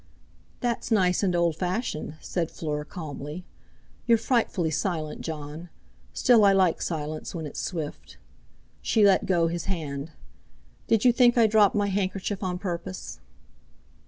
"That's nice and old fashioned," said Fleur calmly. "You're frightfully silent, Jon. Still I like silence when it's swift." She let go his hand. "Did you think I dropped my handkerchief on purpose?"